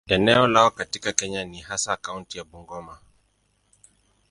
Eneo lao katika Kenya ni hasa kaunti ya Bungoma.